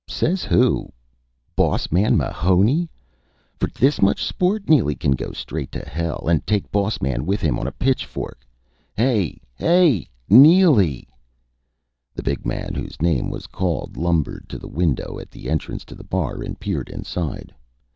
"Says who? Boss Man Mahoney? For dis much sport Neely can go straight to hell! And take Boss Man with him on a pitchfork.... Hey y y!... Ne e e e l y y y!..." The big man whose name was called lumbered to the window at the entrance to the bar, and peered inside.